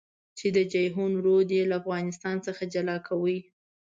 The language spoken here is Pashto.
چې د جېحون رود يې له افغانستان څخه جلا کوي.